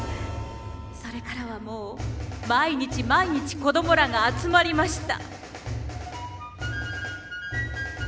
それからはもう毎日毎日子供らが集まりました」。